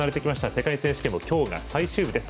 世界選手権も今日が最終日です。